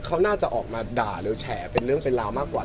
เขาน่าจะออกมาด่าหรือแฉเป็นเรื่องเป็นราวมากกว่า